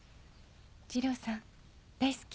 二郎さん大好き。